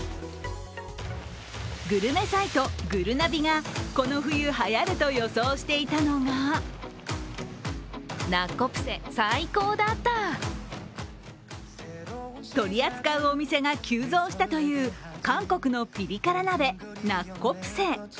グルメサイト・ぐるなびがこの冬、はやると予想していたのが取り扱うお店が急増したという韓国のピリ辛鍋、ナッコプセ。